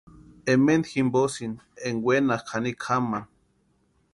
Ementa jimposïni énka wenakʼa janikwa jamani.